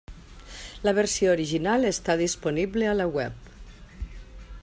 La versió original està disponible a la web.